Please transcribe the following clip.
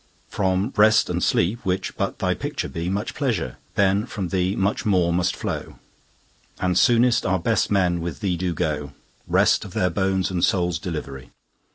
From Rest and Sleep, which but thy picture be, 5 Much pleasure, then from thee much more must flow; And soonest our best men with thee do go— Rest of their bones and souls' delivery!